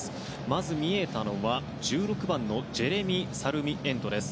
まず見えたのは１６番のジェレミー・サルミエントです。